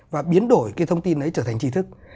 và biến đổi cái thông tin ấy trở thành trí thức